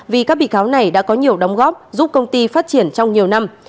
vì các bị cáo này đã có nhiều đóng góp giúp công ty phát triển trong nhiều năm